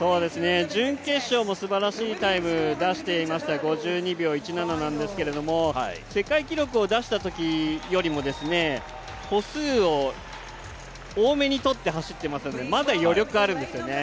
準決勝もすばらしいタイム出していました５２秒１７なんですけど、世界記録を出したときよりも歩数を多めにとって走ってますのでまだ余力あるんですよね。